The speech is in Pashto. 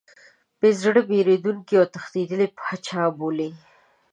بې زړه، بېرندوکی او تښتېدلی پاچا بولي.